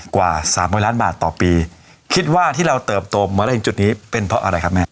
กว่าสามร้อยล้านบาทต่อปีคิดว่าที่เราเติบโตมาได้ถึงจุดนี้เป็นเพราะอะไรครับแม่